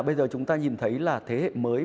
bây giờ chúng ta nhìn thấy là thế hệ mới